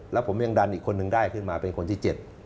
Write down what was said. แล้วผมยังดันอีกคนนึงได้ขึ้นมาเป็นคนที่๗